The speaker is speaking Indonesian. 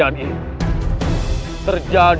mengwalau ke rumah